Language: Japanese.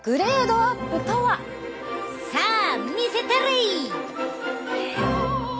さあ見せたれい！